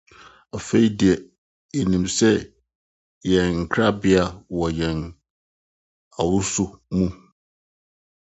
Afei de yenim yiye sɛ yɛn nkrabea wɔ yɛn awosu mu.